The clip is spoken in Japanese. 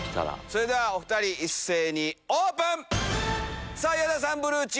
それではお２人一斉にオープン！